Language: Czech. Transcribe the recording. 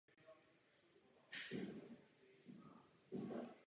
Španěl preferuje zevní proměnlivé vlivy počasí otevřených dvorců.